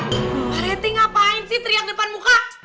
pak reti ngapain sih teriak depan muka